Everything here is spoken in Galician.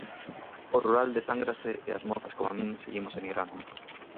O rural desángrase e as mozas coma min seguimos emigrando.